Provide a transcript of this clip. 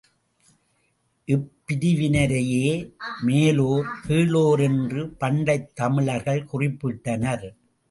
இப்பிரிவினரையே மேலோர், கீழோர் என்று பண்டைத் தமிழர்கள் குறிப்பிட்டனர்.